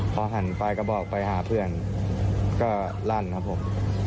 พอหันไปก็บอกไปหาเพื่อนก็ลั่นครับผม